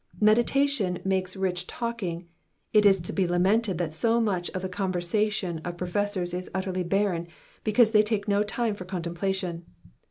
Meditation makes rich talking ; it is to be lamented that so much of the conversation of professors is utterly barren, because they take no time for contemplation.